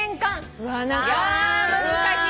いやー難しい。